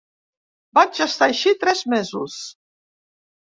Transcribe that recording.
Vaig estar així tres mesos.